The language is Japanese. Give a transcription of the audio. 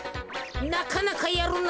なかなかやるな。